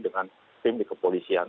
dengan tim di kepolisian